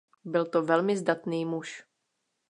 Byl to velmi zdatný muž.